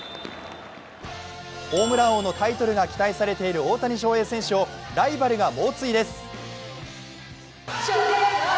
ホームラン王のタイトルが期待されている大谷翔平選手をライバルが猛追です。